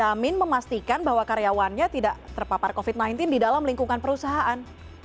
menjamin memastikan bahwa karyawannya tidak terpapar covid sembilan belas di dalam lingkungan perusahaan